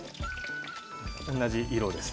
同じ色です。